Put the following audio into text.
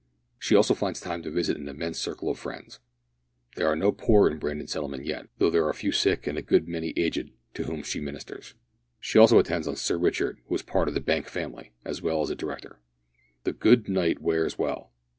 She also finds time to visit an immense circle of friends. There are no poor in Brandon Settlement yet, though there are a few sick and a good many aged, to whom she ministers. She also attends on Sir Richard, who is part of the Bank family, as well as a director. The good knight wears well.